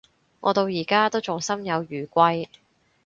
我到而家都仲心有餘悸